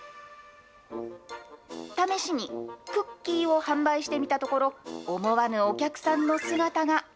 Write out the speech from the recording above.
試しにクッキーを販売してみたところ、思わぬお客さんの姿が。